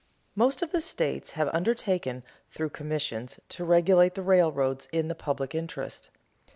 _Most of the states have undertaken, through commissions, to regulate the railroads in the public interest.